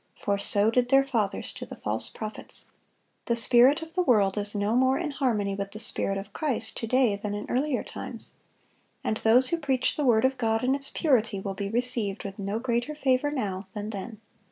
for so did their fathers to the false prophets."(197) The spirit of the world is no more in harmony with the spirit of Christ to day than in earlier times; and those who preach the word of God in its purity will be received with no greater favor now than then.